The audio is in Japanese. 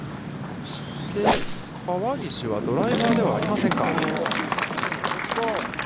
川岸はドライバーではありませんか。